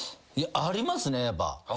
ありますねやっぱ。